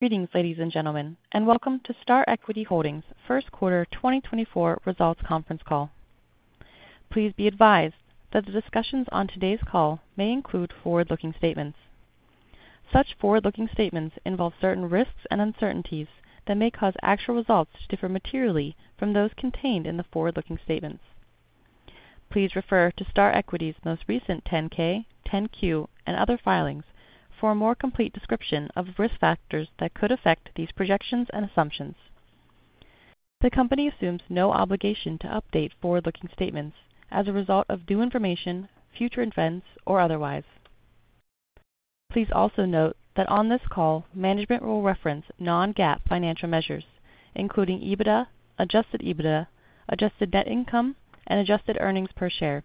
Greetings, ladies and gentlemen, and welcome to Star Equity Holdings Q1 2024 Results Conference Call. Please be advised that the discussions on today's call may include forward-looking statements. Such forward-looking statements involve certain risks and uncertainties that may cause actual results to differ materially from those contained in the forward-looking statements. Please refer to Star Equity's most recent 10-K, 10-Q, and other filings for a more complete description of risk factors that could affect these projections and assumptions. The company assumes no obligation to update forward-looking statements as a result of new information, future events, or otherwise. Please also note that on this call, management will reference non-GAAP financial measures, including EBITDA, adjusted EBITDA, adjusted net income, and adjusted earnings per share,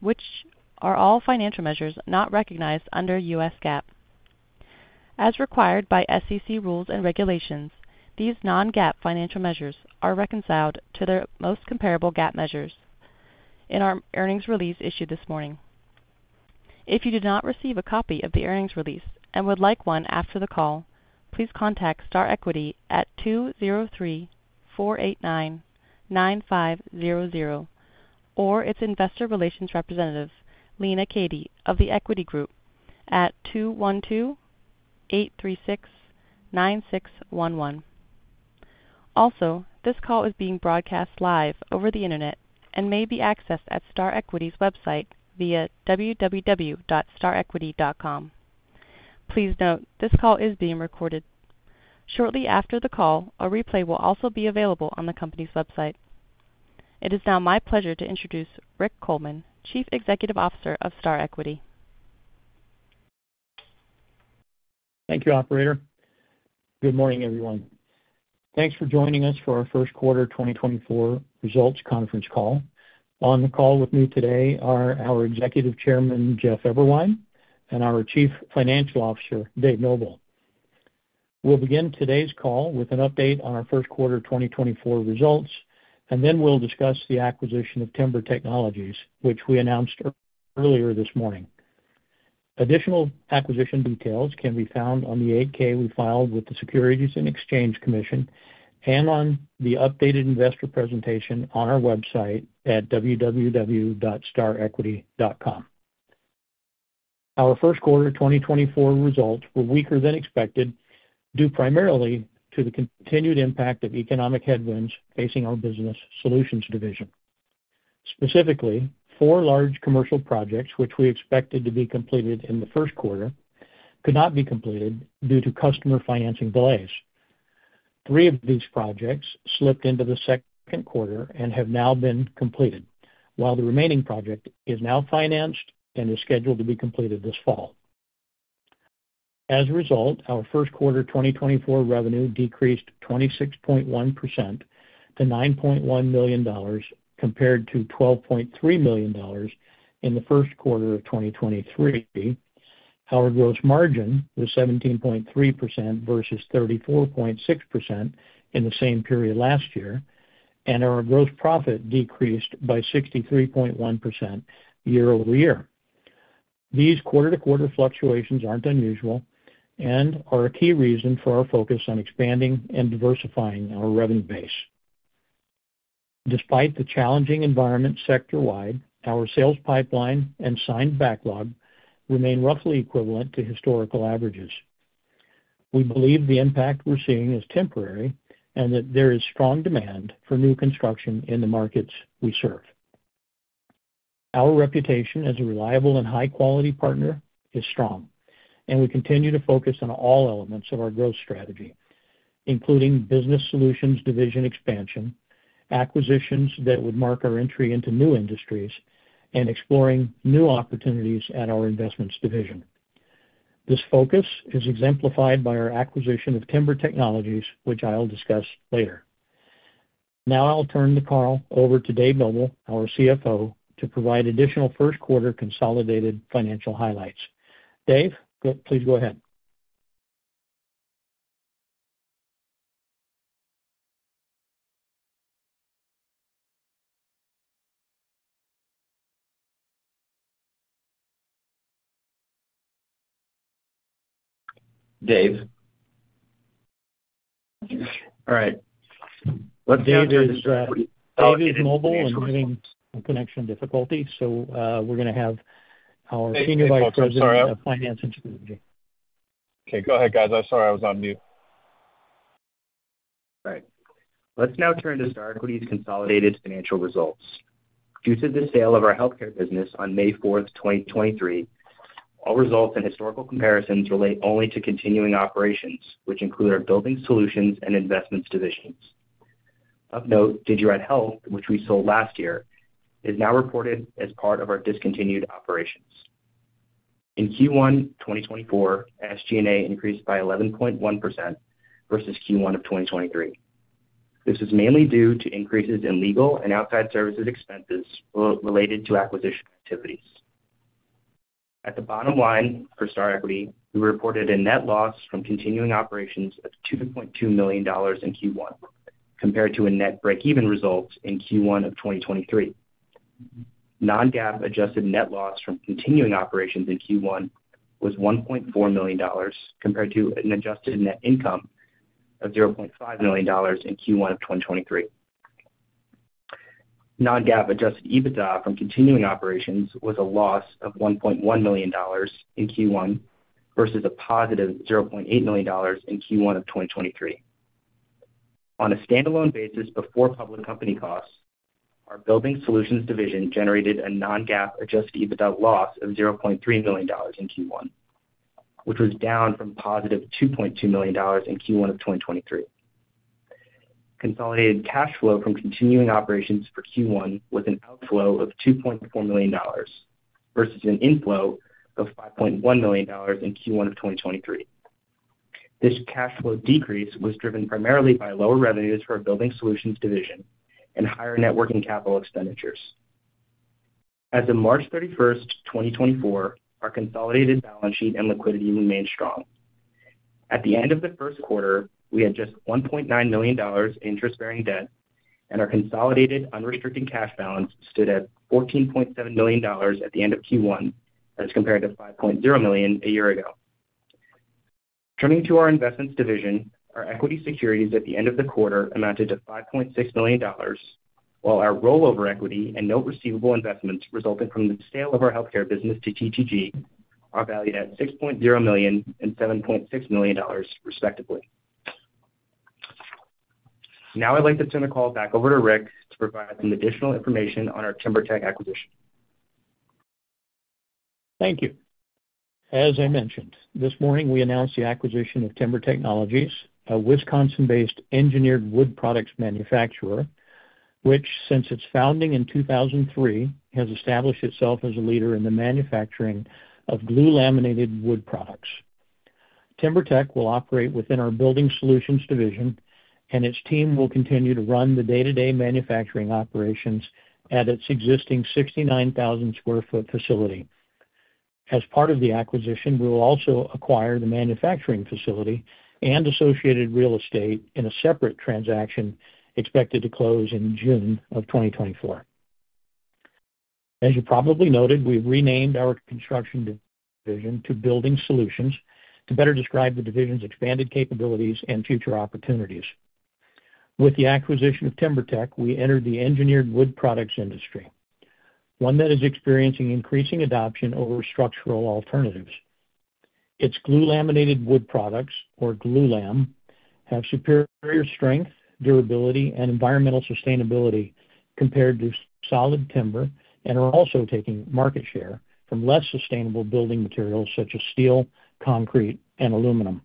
which are all financial measures not recognized under US GAAP. As required by SEC rules and regulations, these non-GAAP financial measures are reconciled to their most comparable GAAP measures in our earnings release issued this morning. If you did not receive a copy of the earnings release and would like one after the call, please contact Star Equity at 203-489-9500, or its investor relations representative, Lena Cati, of The Equity Group, at 212-836-9611. Also, this call is being broadcast live over the Internet and may be accessed at Star Equity's website via www.starequity.com. Please note, this call is being recorded. Shortly after the call, a replay will also be available on the company's website. It is now my pleasure to introduce Rick Coleman, Chief Executive Officer of Star Equity. Thank you, operator. Good morning, everyone. Thanks for joining us for our Q1 2024 results conference call. On the call with me today are our Executive Chairman, Jeff Eberwein, and our Chief Financial Officer, Dave Noble. We'll begin today's call with an update on our Q1 2024 results, and then we'll discuss the acquisition of Timber Technologies, which we announced earlier this morning. Additional acquisition details can be found on the 8-K we filed with the Securities and Exchange Commission and on the updated investor presentation on our website at www.starequity.com. Our Q1 2024 results were weaker than expected, due primarily to the continued impact of economic headwinds facing our Building Solutions division. Specifically, four large commercial projects, which we expected to be completed in the Q1, could not be completed due to customer financing delays. Three of these projects slipped into the second quarter and have now been completed, while the remaining project is now financed and is scheduled to be completed this fall. As a result, our Q1 2024 revenue decreased 26.1% to $9.1 million, compared to $12.3 million in the Q1 of 2023. Our gross margin was 17.3% versus 34.6% in the same period last year, and our gross profit decreased by 63.1% year-over-year. These quarter-to-quarter fluctuations aren't unusual and are a key reason for our focus on expanding and diversifying our revenue base. Despite the challenging environment sector-wide, our sales pipeline and signed backlog remain roughly equivalent to historical averages. We believe the impact we're seeing is temporary and that there is strong demand for new construction in the markets we serve. Our reputation as a reliable and high-quality partner is strong, and we continue to focus on all elements of our growth strategy, including business solutions, division expansion, acquisitions that would mark our entry into new industries, and exploring new opportunities at our Investments division. This focus is exemplified by our acquisition of Timber Technologies, which I'll discuss later. Now I'll turn the call over to Dave Noble, our CFO, to provide additional Q1 consolidated financial highlights. Dave, please go ahead. Dave? All right. Dave Noble is having connection difficulty, so we're gonna have our Senior Vice President of Finance and- Okay, go ahead, guys. I'm sorry, I was on mute. All right. Let's now turn to Star Equity's consolidated financial results. Due to the sale of our healthcare business on May fourth, 2023, all results and historical comparisons relate only to continuing operations, which include our building solutions and investments divisions. Of note, Digirad Health, which we sold last year, is now reported as part of our discontinued operations. In Q1 2024, SG&A increased by 11.1% versus Q1 2023. This is mainly due to increases in legal and outside services expenses related to acquisition activities. At the bottom line for Star Equity, we reported a net loss from continuing operations of $2.2 million in Q1, compared to a net break-even result in Q1 2023. Non-GAAP adjusted net loss from continuing operations in Q1 was $1.4 million, compared to an adjusted net income of $0.5 million in Q1 of 2023. Non-GAAP adjusted EBITDA from continuing operations was a loss of $1.1 million in Q1, versus a positive $0.8 million in Q1 of 2023. On a standalone basis, before public company costs, our Building Solutions division generated a non-GAAP adjusted EBITDA loss of $0.3 million in Q1, which was down from positive $2.2 million in Q1 of 2023. Consolidated cash flow from continuing operations for Q1 was an outflow of $2.4 million, versus an inflow of $5.1 million in Q1 of 2023. This cash flow decrease was driven primarily by lower revenues for our Building Solutions division and higher net working capital expenditures. As of March 31, 2024, our consolidated balance sheet and liquidity remained strong. At the end of the Q1, we had just $1.9 million interest-bearing debt, and our consolidated unrestricted cash balance stood at $14.7 million at the end of Q1, as compared to $5.0 million a year ago. Turning to our investments division, our equity securities at the end of the quarter amounted to $5.6 million, while our rollover equity and note receivable investments resulting from the sale of our healthcare business to TTG are valued at $6.0 million and $7.6 million, respectively. Now I'd like to turn the call back over to Rick to provide some additional information on our TimberTech acquisition. Thank you. As I mentioned, this morning, we announced the acquisition of Timber Technologies, a Wisconsin-based engineered wood products manufacturer, which, since its founding in 2003, has established itself as a leader in the manufacturing of glue laminated wood products. Timber Tech will operate within our Building Solutions division, and its team will continue to run the day-to-day manufacturing operations at its existing 69,000 sq ft facility. As part of the acquisition, we will also acquire the manufacturing facility and associated real estate in a separate transaction expected to close in June of 2024. As you probably noted, we've renamed our construction division to Building Solutions to better describe the division's expanded capabilities and future opportunities. With the acquisition of TimberTech, we entered the engineered wood products industry, one that is experiencing increasing adoption over structural alternatives. Its glue laminated wood products, or glulam, have superior strength, durability, and environmental sustainability compared to solid timber, and are also taking market share from less sustainable building materials such as steel, concrete, and aluminum.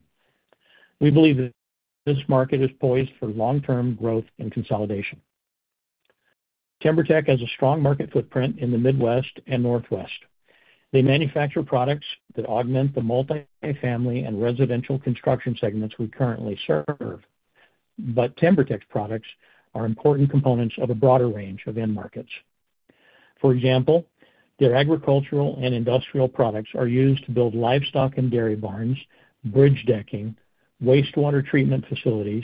We believe that this market is poised for long-term growth and consolidation. TimberTech has a strong market footprint in the Midwest and Northwest. They manufacture products that augment the multifamily and residential construction segments we currently serve, but TimberTech's products are important components of a broader range of end markets. For example, their agricultural and industrial products are used to build livestock and dairy barns, bridge decking, wastewater treatment facilities,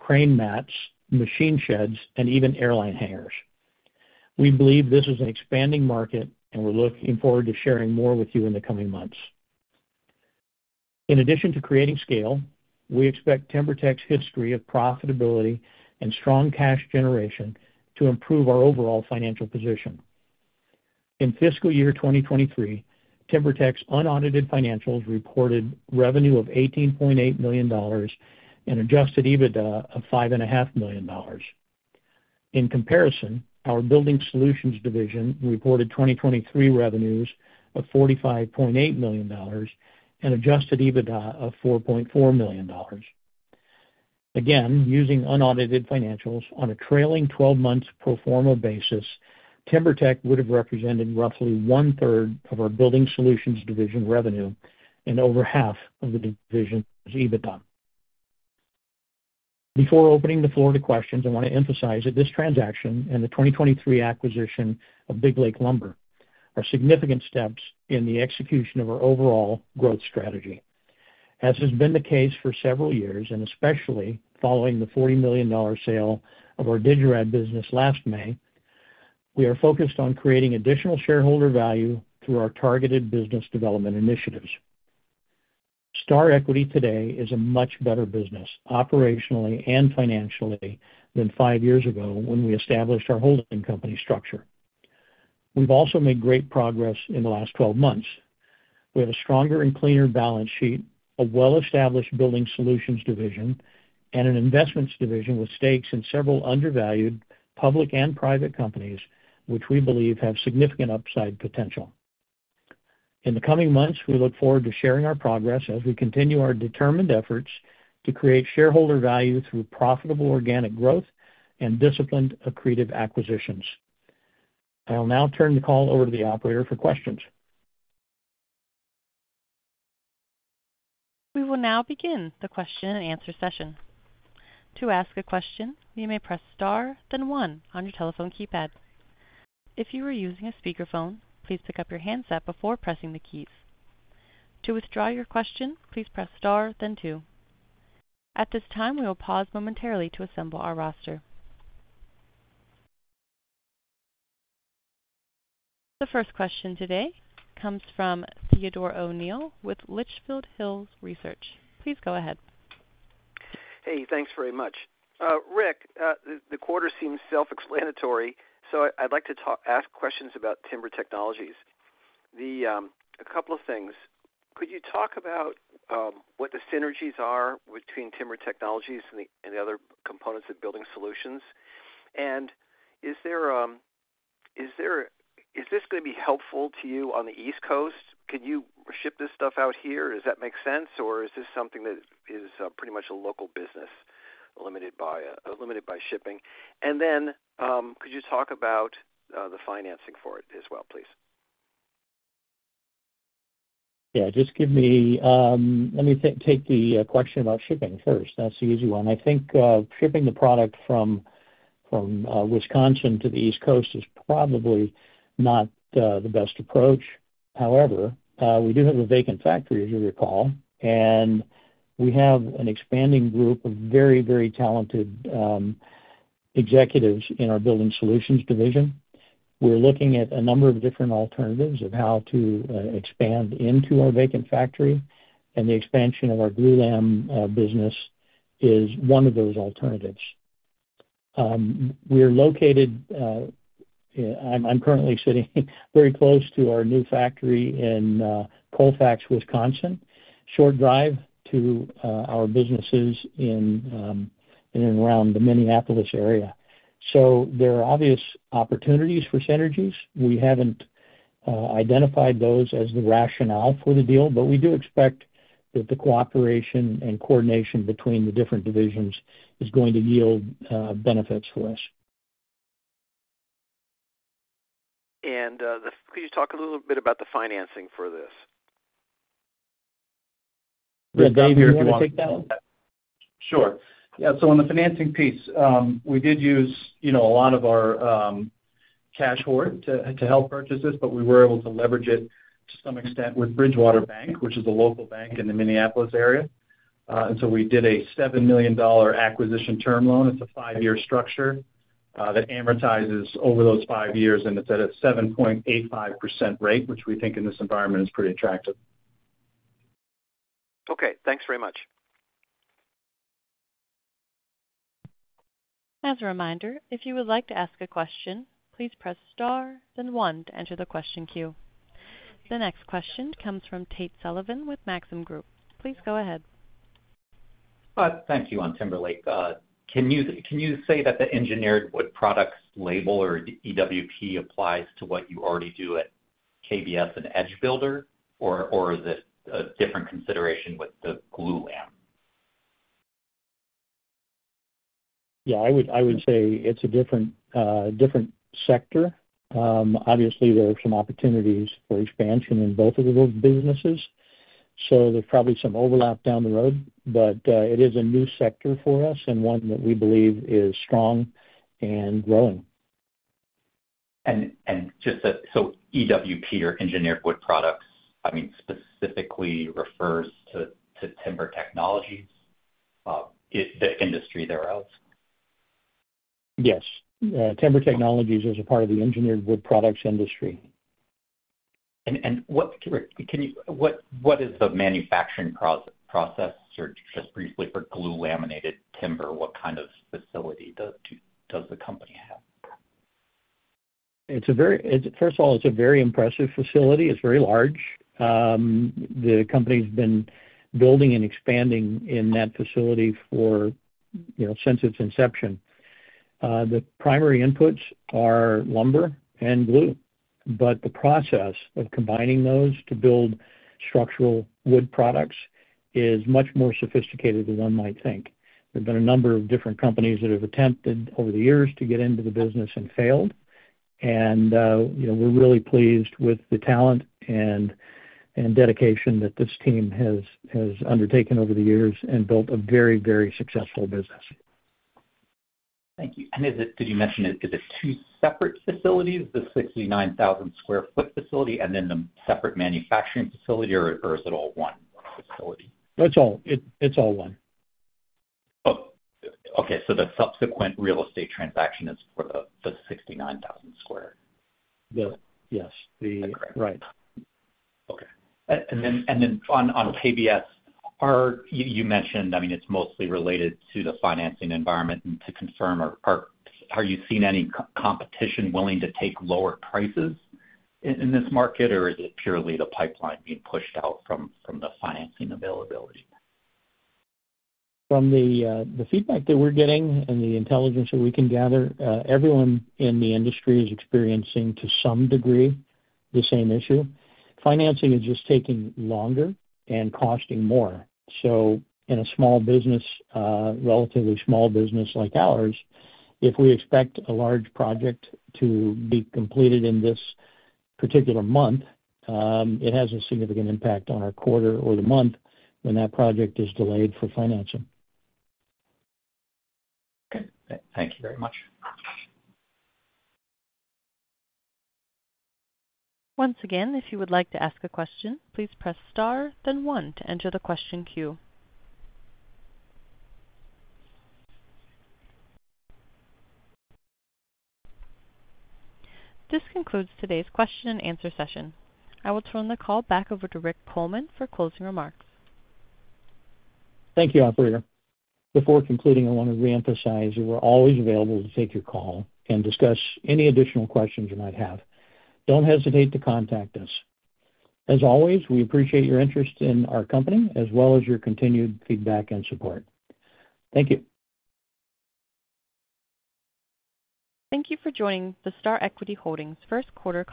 crane mats, machine sheds, and even airline hangars. We believe this is an expanding market, and we're looking forward to sharing more with you in the coming months. In addition to creating scale, we expect TimberTech's history of profitability and strong cash generation to improve our overall financial position. In fiscal year 2023, TimberTech's unaudited financials reported revenue of $18.8 million and adjusted EBITDA of $5.5 million. In comparison, our Building Solutions division reported 2023 revenues of $45.8 million and adjusted EBITDA of $4.4 million. Again, using unaudited financials on a trailing twelve months pro forma basis, TimberTech would have represented roughly one-third of our Building Solutions division revenue and over half of the division's EBITDA. Before opening the floor to questions, I want to emphasize that this transaction and the 2023 acquisition of Big Lake Lumber are significant steps in the execution of our overall growth strategy. As has been the case for several years, and especially following the $40 million sale of our Digirad business last May, we are focused on creating additional shareholder value through our targeted business development initiatives. Star Equity today is a much better business, operationally and financially, than 5 years ago when we established our holding company structure. We've also made great progress in the last 12 months. We have a stronger and cleaner balance sheet, a well-established Building Solutions division, and an investments division with stakes in several undervalued public and private companies, which we believe have significant upside potential. In the coming months, we look forward to sharing our progress as we continue our determined efforts to create shareholder value through profitable organic growth and disciplined accretive acquisitions. I will now turn the call over to the operator for questions. We will now begin the question-and-answer session. To ask a question, you may press star, then one on your telephone keypad. If you are using a speakerphone, please pick up your handset before pressing the keys. To withdraw your question, please press star, then two. At this time, we will pause momentarily to assemble our roster. The first question today comes from Theodore O'Neill with Litchfield Hills Research. Please go ahead. Hey, thanks very much. Rick, the quarter seems self-explanatory, so I'd like to ask questions about Timber Technologies. A couple of things: Could you talk about what the synergies are between Timber Technologies and the other components of Building Solutions? And is this gonna be helpful to you on the East Coast? Can you ship this stuff out here? Does that make sense, or is this something that is pretty much a local business, limited by shipping? And then, could you talk about the financing for it as well, please? Yeah, just give me, let me take the question about shipping first. That's the easy one. I think, shipping the product from Wisconsin to the East Coast is probably not the best approach. However, we do have a vacant factory, as you'll recall, and we have an expanding group of very, very talented executives in our building solutions division. We're looking at a number of different alternatives of how to expand into our vacant factory, and the expansion of our glulam business is one of those alternatives. We're located, I'm currently sitting very close to our new factory in Colfax, Wisconsin. Short drive to our businesses in and around the Minneapolis area. So there are obvious opportunities for synergies. We haven't identified those as the rationale for the deal, but we do expect that the cooperation and coordination between the different divisions is going to yield benefits for us. Could you talk a little bit about the financing for this? Yeah. Do you want to take that one? Sure. Yeah, so on the financing piece, we did use, you know, a lot of our cash hoard to help purchase this, but we were able to leverage it to some extent with Bridgewater Bank, which is a local bank in the Minneapolis area. And so we did a $7 million acquisition term loan. It's a five-year structure that amortizes over those five years, and it's at a 7.85% rate, which we think in this environment is pretty attractive. Okay, thanks very much. As a reminder, if you would like to ask a question, please press star then one to enter the question queue. The next question comes from Tate Sullivan with Maxim Group. Please go ahead. Thank you. On Timber Tech, can you say that the engineered wood products label or EWP applies to what you already do at KBS and EdgeBuilder, or is it a different consideration with the glulam? Yeah, I would, I would say it's a different, different sector. Obviously, there are some opportunities for expansion in both of those businesses, so there's probably some overlap down the road. But, it is a new sector for us and one that we believe is strong and growing. Just so, EWP or engineered wood products, I mean, specifically refers to Timber Technologies, is the industry there else? Yes. Timber Technologies is a part of the engineered wood products industry. What is the manufacturing process, or just briefly, for glue laminated timber? What kind of facility does the company have? First of all, it's a very impressive facility. It's very large. The company's been building and expanding in that facility for, you know, since its inception. The primary inputs are lumber and glue, but the process of combining those to build structural wood products is much more sophisticated than one might think. There have been a number of different companies that have attempted over the years to get into the business and failed. And, you know, we're really pleased with the talent and dedication that this team has undertaken over the years and built a very, very successful business. Thank you. And is it, did you mention it, is it two separate facilities, the 69,000 sq ft facility and then the separate manufacturing facility, or, or is it all one facility? It's all one. Oh, okay. So the subsequent real estate transaction is for the 69,000 square? Yes, the- Okay. Right. Okay. And then on KBS, you mentioned, I mean, it's mostly related to the financing environment. And to confirm, are you seeing any competition willing to take lower prices in this market, or is it purely the pipeline being pushed out from the financing availability? From the feedback that we're getting and the intelligence that we can gather, everyone in the industry is experiencing, to some degree, the same issue. Financing is just taking longer and costing more. So in a small business, relatively small business like ours, if we expect a large project to be completed in this particular month, it has a significant impact on our quarter or the month when that project is delayed for financing. Okay. Thank you very much. Once again, if you would like to ask a question, please press star then one to enter the question queue. This concludes today's question and answer session. I will turn the call back over to Rick Pohlman for closing remarks. Thank you, operator. Before concluding, I want to reemphasize that we're always available to take your call and discuss any additional questions you might have. Don't hesitate to contact us. As always, we appreciate your interest in our company, as well as your continued feedback and support. Thank you. Thank you for joining the Star Equity Holdings Q1-